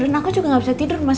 dan aku juga gak bisa tidur mas